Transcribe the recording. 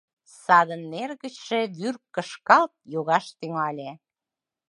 Садын нер гычше вӱр кышкалт йогаш тӱҥале...